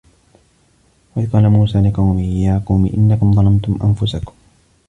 وَإِذْ قَالَ مُوسَىٰ لِقَوْمِهِ يَا قَوْمِ إِنَّكُمْ ظَلَمْتُمْ أَنْفُسَكُمْ